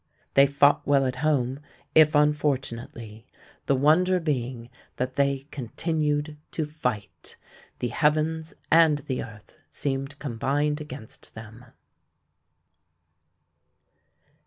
They fought well at home, if unfortunately, the wonder being that they continued to fight. The heavens and the earth seemed combined against them.